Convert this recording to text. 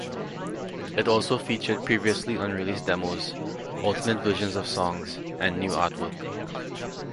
It also featured previously unreleased demos, alternate versions of songs, and new artwork.